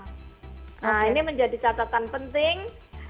nah ini menjadi catatan penting